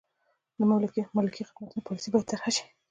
د ملکي خدمتونو پالیسي باید طرحه شي.